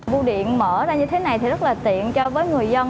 bu điện mở ra như thế này thì rất là tiện cho với người dân